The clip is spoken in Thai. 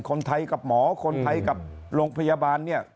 คนไทยกับหมอคนไทยกับโรงพยาบาลเนี่ย